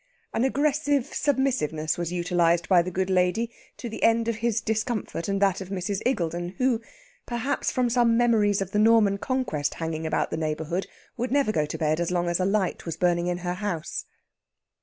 An aggressive submissiveness was utilized by the good lady to the end of his discomfort and that of Mrs. Iggulden, who perhaps from some memories of the Norman Conquest hanging about the neighbourhood would never go to bed as long as a light was burning in the house.